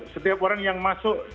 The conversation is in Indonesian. setiap orang yang masuk